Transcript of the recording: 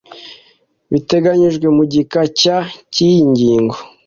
biteganyijwe mu gika cya cy iyi ngingo